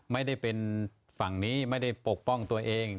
ไม่ได้เป็นฝั่งนี้ไม่ได้ปกป้องตัวเอง